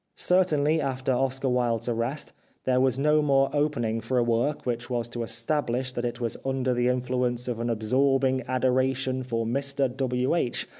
Certainly after Oscar Wilde's arrest there was no more opening for a work which was to establish that it was under the influence of an absorbing adoration for Mr W. H.